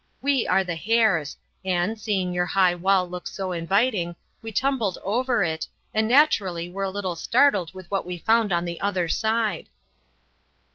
We are the hares, and, seeing your high wall look so inviting, we tumbled over it, and naturally were a little startled with what we found on the other side."